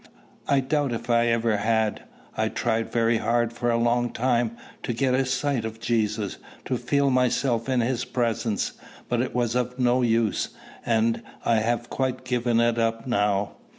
I doubt if I ever had. I tried very hard for a long time to get a sight of Jesus, to feel myself in his presence; but it was of no use, and I have quite given it up now."